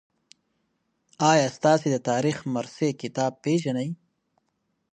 آیا تاسي د تاریخ مرصع کتاب پېژنئ؟